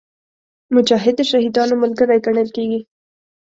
مجاهد د شهیدانو ملګری ګڼل کېږي.